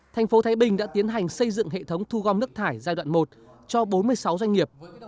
thành phố thái bình đã tiến hành xây dựng hệ thống thu gom nước thải giai đoạn một cho bốn mươi sáu doanh nghiệp